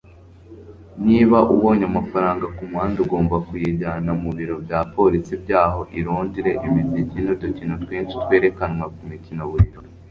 Niba ubonye amafaranga kumuhanda ugomba kuyijyana mubiro bya polisi byaho I Londres imiziki nudukino twinshi twerekanwa kumikino buri joro